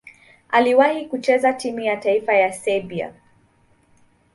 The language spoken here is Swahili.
Aliwahi kucheza timu ya taifa ya Serbia.